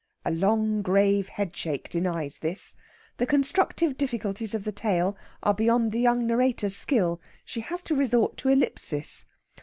A long, grave headshake denies this. The constructive difficulties of the tale are beyond the young narrator's skill. She has to resort to ellipsis.